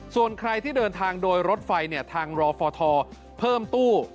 ส่วนใครที่เดินทางโดยรถไฟทางรอฟทเพิ่มตู้